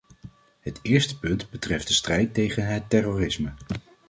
Het eerste punt betreft de strijd tegen het terrorisme.